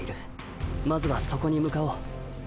まずはそこに向かおう。